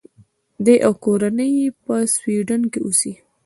دی او کورنۍ یې په سویډن کې اوسي.